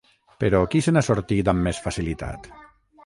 Però, qui se n’ha sortit amb més facilitat?